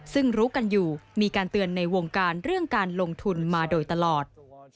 ซึ่งรู้กันอยู่มีการเตือนในวงการเรื่องการลงทุนมาโดยตลอด